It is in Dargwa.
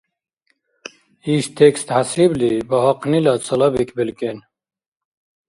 Иш текст хӀясибли багьахънила цалабик белкӀен